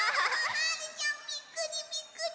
はるちゃんびっくりびっくり！